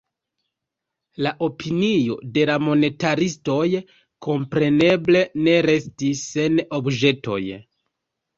La opinio de la monetaristoj kompreneble ne restis sen obĵetoj.